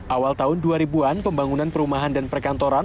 awal tahun dua ribu an pembangunan perumahan dan perkantoran